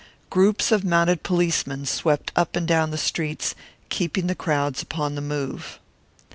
Groups of mounted policemen swept up and down the streets, keeping the crowds upon the move.